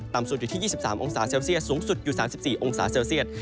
ต่ำสุดอยู่ที่๒๓องศาเซลเซียตสูงสุดอยู่ที่๓๔องศาเซียต